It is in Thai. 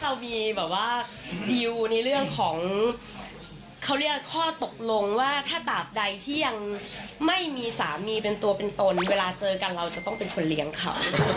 เรามีแบบว่าดีลในเรื่องของเขาเรียกข้อตกลงว่าถ้าตาบใดที่ยังไม่มีสามีเป็นตัวเป็นตนเวลาเจอกันเราจะต้องเป็นคนเลี้ยงเขา